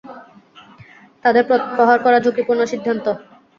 তাদের প্রহার করা ঝুকিপূর্ণ সিদ্ধান্ত।